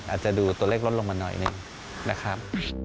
อาจจะดูตัวเลขลดลงมาหน่อยหนึ่งนะครับ